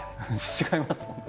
違いますもんね。